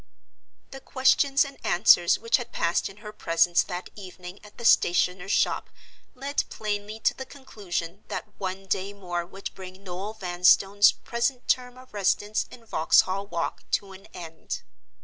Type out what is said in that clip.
The questions and answers which had passed in her presence that evening at the stationer's shop led plainly to the conclusion that one day more would bring Noel Vanstone's present term of residence in Vauxhall Walk to an end.